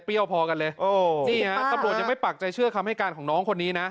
พอกันเลยโอ้นี่ฮะตำรวจยังไม่ปักใจเชื่อคำให้การของน้องคนนี้นะ